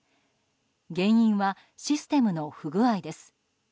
原因はシステムの不具合です。